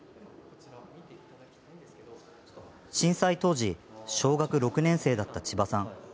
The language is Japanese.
震災当時小学６年生だった千葉さん。